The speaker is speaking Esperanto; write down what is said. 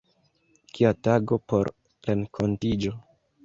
Kia tago por renkontiĝo!